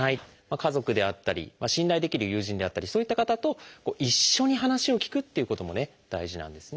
家族であったり信頼できる友人であったりそういった方と一緒に話を聞くっていうことも大事なんですね。